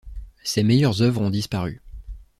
Ses meilleures œuvres ont disparu.